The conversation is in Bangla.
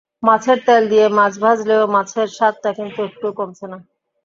মাছের তেল দিয়ে মাছ ভাজলেও মাছের স্বাদটা কিন্তু একটুও কমছে না।